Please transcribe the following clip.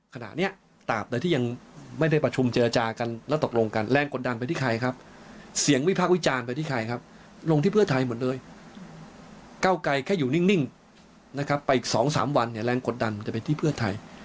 ก้าวกลายแค่อยู่นิ่งไปอีก๒๓วันแรงกดดันจะไปที่เพื่อไทย